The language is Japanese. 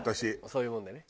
そういうものでね。